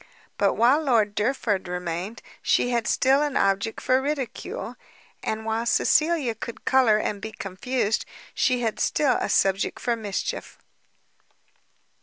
But while Lord Derford remained, she had still an object for ridicule, and while Cecilia could colour and be confused, she had still a subject for mischief.